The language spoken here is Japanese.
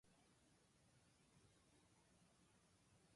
発声モデル